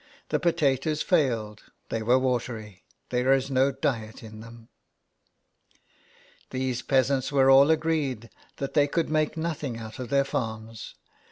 The potatoes failed ; they were watery — there is no diet in them." These peasants were all agreed that they could make nothing out of their farms.